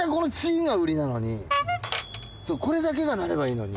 そうこれだけが鳴ればいいのに。